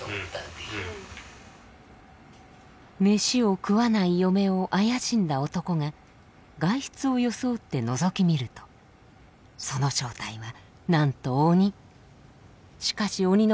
飯を食わない嫁を怪しんだ男が外出を装ってのぞき見るとその正体はなんと鬼。